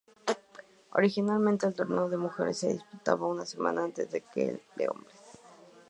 Originalmente el torneo de mujeres se disputaba una semana antes que el de hombres.